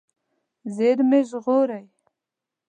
زېرمې ژغورئ.